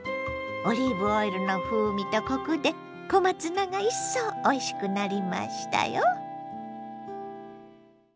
オリーブオイルの風味とコクで小松菜がいっそうおいしくなりましたよ。